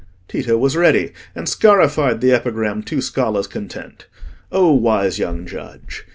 Tito was ready, and scarified the epigram to Scala's content. O wise young judge!